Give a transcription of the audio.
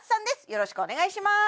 よろしくお願いします